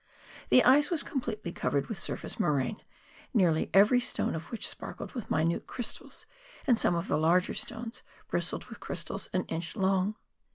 The ice was completely covered with surface moraine, nearly every stone of which sparkled with minute crystals, and some of the larger stones bristled with crystals an inch long.